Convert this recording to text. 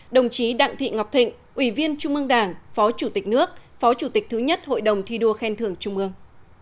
đồng chí đặng thị ngọc thịnh ủy viên trung ương đảng phó chủ tịch nước phó chủ tịch thứ nhất hội đồng thi đua khen thưởng trung ương